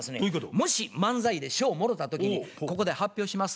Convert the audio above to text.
もし漫才で賞をもろた時に「ここで発表します。